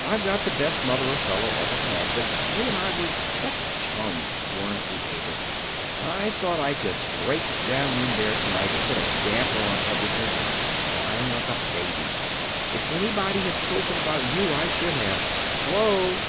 I've got the best mother a fellow ever had, but you and I were such chums, weren't we, Avis? I thought I'd just break down in there tonight and put a damper on everything by crying like a baby. If anybody had spoken about you, I should have. Hello!"